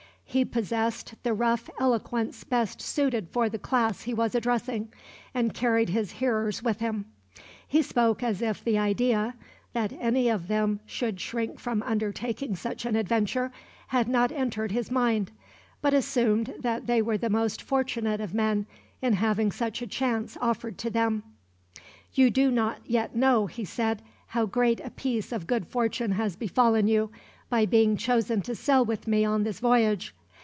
He possessed the rough eloquence best suited for the class he was addressing, and carried his hearers with him. He spoke as if the idea, that any of them could shrink from undertaking such an adventure, had not entered his mind; but assumed that they were the most fortunate of men, in having such a chance offered to them. "You do not yet know," he said, "how great a piece of good fortune has befallen you, by being chosen to sail with me on this voyage.